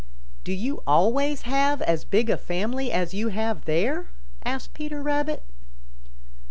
"Do you always have as big a family as you have there?" asked Peter Rabbit.